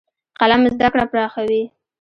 قلم زده کړه پراخوي.